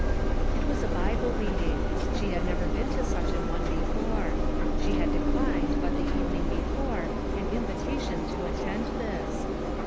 It was a Bible meeting. She had never been to such an one before. She had declined, but the evening before, an in vitation to attend this.